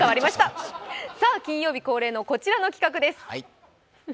金曜日恒例のこちらの企画です。